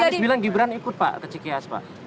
tadi mas abis bilang gibran ikut pak ke cks pak